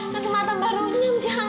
nanti mata baru nyam jangan